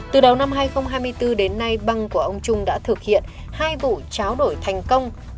từ đầu năm hai nghìn hai mươi bốn đến nay băng của ông trung đã thực hiện hai vụ tráo đổi thành công